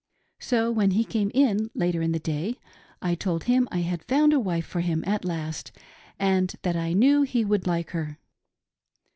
So when he came in, later in the day, I told him I had found a wife for him at last, and that I knew he would like her.